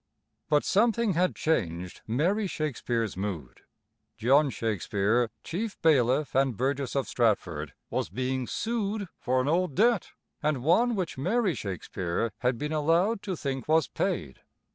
But something had changed Mary Shakespeare's mood. John Shakespeare, chief bailiff and burgess of Stratford, was being sued for an old debt, and one which Mary Shakespeare had been allowed to think was paid.